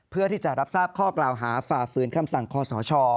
เพื่อที่จะรับทราบข้อกล่าวหาฝ่าฝืนคำสั่งคอสช